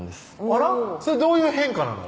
あらっそれどういう変化なの？